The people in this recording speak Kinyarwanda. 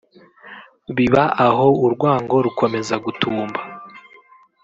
Biba aho urwango rukomeza gutumba